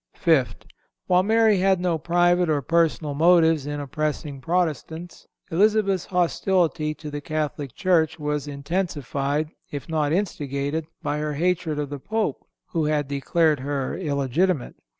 Fifth—While Mary had no private or personal motives in oppressing Protestants, Elizabeth's hostility to the Catholic Church was intensified, if not instigated, by her hatred of the Pope, who had declared her illegitimate.